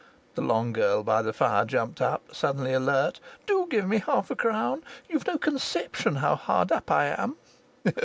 The long girl by the fire jumped up, suddenly alert. "Do give me half a crown. You've no conception how hard up I am."